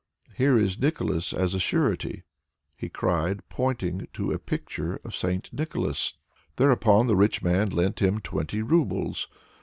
Here is Nicholas as a surety," he cried, pointing to a picture of St. Nicholas. Thereupon the rich man lent him twenty roubles.